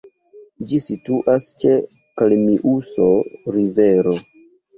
Ĝi situas ĉe Kalmiuso-rivero.